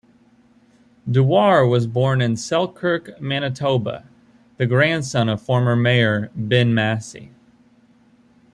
Dewar was born in Selkirk, Manitoba, the grandson of former mayor Ben Massey.